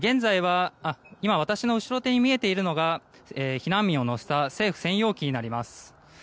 今、私の後ろ手に見えているのが避難民を乗せた政府専用機になります。